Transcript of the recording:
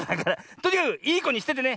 とにかくいいこにしててね。